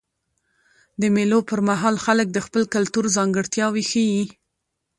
د مېلو پر مهال خلک د خپل کلتور ځانګړتیاوي ښیي.